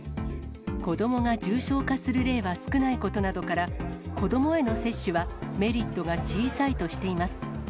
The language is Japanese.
子どもが重症化する例は少ないことなどから、子どもへの接種は、メリットが小さいとしています。